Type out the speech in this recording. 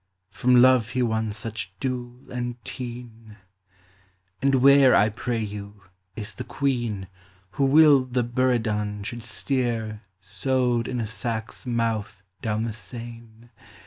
(From love he won such dule and teen !) And where, I pray you, is the Queen Who willed that Buridan should steer Sewed in a sack's mouth down the Seine